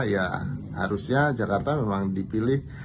ya harusnya jakarta memang dipilih